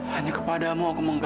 hanya kepadamu aku mengasihi